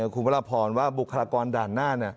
คุณพระราพรว่าบุคลากรด่านหน้า